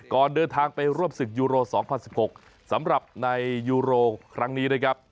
ก่อนเดินทางไปร่วมศึกยูโร๒๐๑๖สำหรับในยูโรครั้งนี้นะครับ